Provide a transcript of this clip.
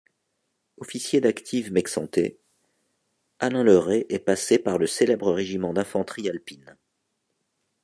Officier d’active maixentais, Alain Le Ray est passé par le célèbre Régiment d'Infanterie Alpine.